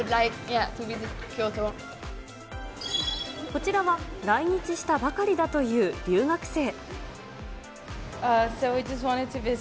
こちらは来日したばかりだという留学生。